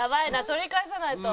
取り返さないと。